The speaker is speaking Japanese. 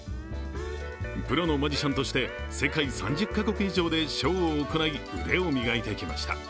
プロのマジシャンとして世界３０か国以上でショーを行い、腕を磨いてきました